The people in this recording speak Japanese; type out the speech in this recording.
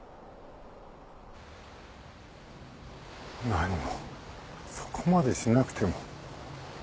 何もそこまでしなくても。